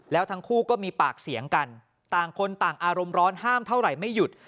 แล้วทั้งคู่ก็มีปากเสียงกันต่างคนต่างอารมณ์ร้อนห้ามเท่าไหร่ไม่หยุด